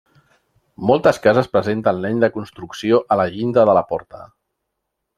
Moltes cases presenten l'any de construcció a la llinda de la porta.